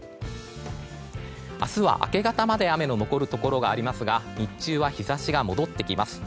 明日は明け方まで雨の残るところがありますが日中は日差しが戻ってきます。